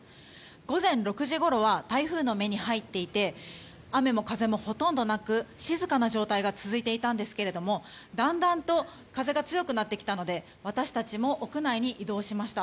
午前６時ごろは台風の目に入っていて雨も風もほとんどなく静かな状態が続いていたんですがだんだんと風が強くなってきたので私たちも屋内に移動しました。